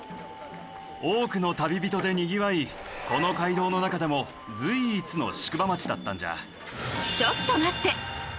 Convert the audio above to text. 多くの旅人でにぎわいこの街道の中でも随一の宿場町だったんじゃ。